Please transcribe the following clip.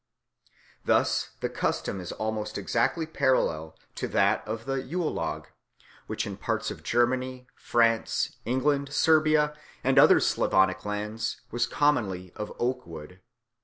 Thus the custom is almost exactly parallel to that of the Yule log, which in parts of Germany, France, England, Serbia, and other Slavonic lands was commonly of oak wood.